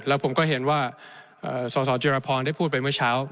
แล้วผมก็เห็นว่าสสจิรพรได้พูดไปเมื่อเช้า